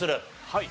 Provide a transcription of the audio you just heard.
はい。